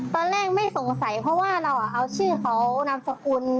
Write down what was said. ตอนแรกไม่สงสัยเพราะว่าเราเอาชื่อเขานามสกุล